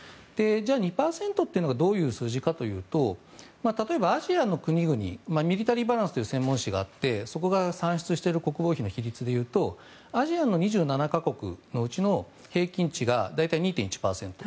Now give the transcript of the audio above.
じゃあ、２％というのがどういう数字化というと例えば、アジアの国々「ミリタリーバランス」という専門誌があってそこが算出している国防費の比率でいうとアジアの２７か国のうちの平均値が大体２．１％。